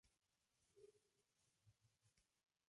Luego durante varios años transitó obras clásicas.